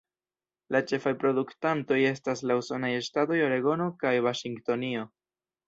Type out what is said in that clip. La ĉefaj produktantoj estas la usonaj ŝtatoj Oregono kaj Vaŝingtonio.